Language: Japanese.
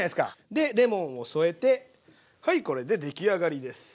でレモンを添えてはいこれでできあがりです。